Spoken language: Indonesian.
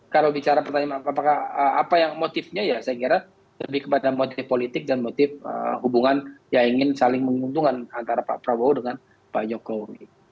kalau bicara pertanyaan apakah apa yang motifnya ya saya kira lebih kepada motif politik dan motif hubungan yang ingin saling menguntungkan antara pak prabowo dengan pak jokowi